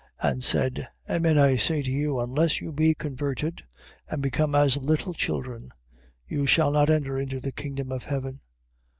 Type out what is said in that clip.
18:3. And said: amen I say to you, unless you be converted, and become as little children, you shall not enter into the kingdom of heaven.